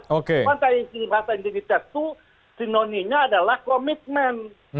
fakta integritas itu sinonimnya adalah komitmen